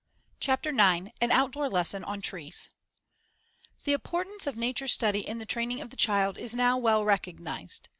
CHAPTER IX AN OUTDOOR LESSON ON TREES The importance of nature study in the training of the child is now well recognized.